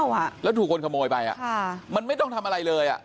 นี่คุณพระสรแล้วถูกคนเขาโหมยไปมันไม่ต้องทำอะไรเลย